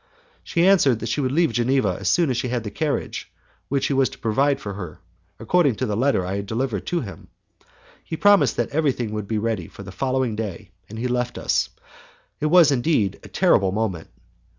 She answered that she would leave Geneva as soon as she had the carriage which he was to provide for her, according to the letter I had delivered to him. He promised that everything would be ready for the following day, and he left us. It was indeed a terrible moment!